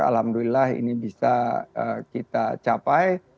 alhamdulillah ini bisa kita capai